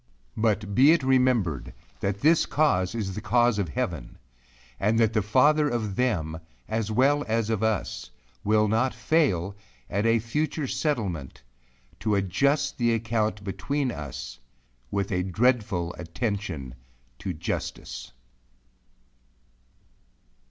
But be it remembered, that this cause is the cause of heaven; and that the father of them as well as of us, will not fail, at a future settlement, to adjust the account between us, with a dreadful attention to justice.